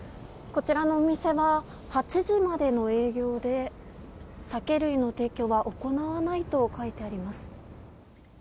こちらのお店は８時までの営業で酒類の提供は行わないと書いてあります。